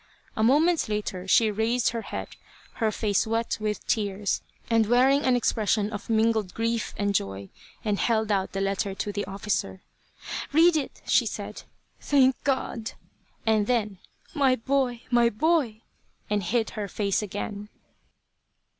A moment later she raised her head, her face wet with tears and wearing an expression of mingled grief and joy, and held out the letter to the officer. "Read it!" she said. "Thank God!" and then, "My boy! My boy!" and hid her face again.